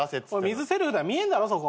水セルフだよ見えんだろそこ。